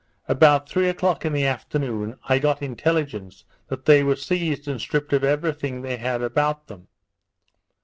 About three o'clock in the afternoon, I got intelligence that they were seized and stripped of every thing they had about them.